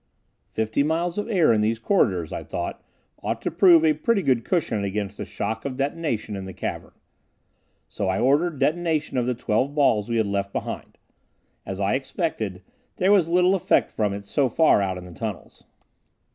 Fifty miles of air in these corridors, I thought, ought to prove a pretty good cushion against the shock of detonation in the cavern. So I ordered detonation of the twelve balls we had left behind. As I expected, there was little effect from it so far out in the tunnels.